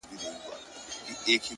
صبر د اوږدو سفرونو توښه ده،